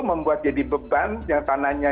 membuat jadi beban yang tanahnya